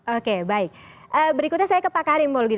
oke baik berikutnya saya ke pak karim paul